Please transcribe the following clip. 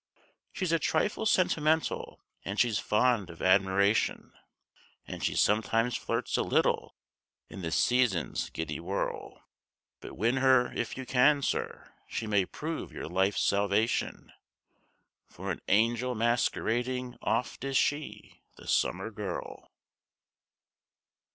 She's a trifle sentimental, and she's fond of admiration, And she sometimes flirts a little in the season's giddy whirl; But win her if you can, sir, she may prove your life's salvation, For an angel masquerading oft is she, the Summer Girl.